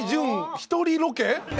一人ロケ？